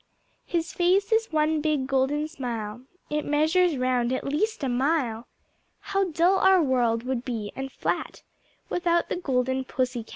His face is one big Golden smile, It measures round, at least a mile How dull our World would be, and flat, Without the Golden Pussy Cat.